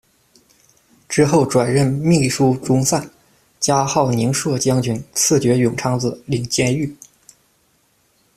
之后转任秘书中散，加号宁朔将军，赐爵永昌子，领监御。